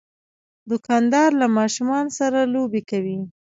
دوکاندار له ماشومان سره لوبې کوي.